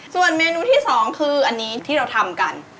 ส่วนเมนูที่๒คืออันนี้ที่เราทำกัน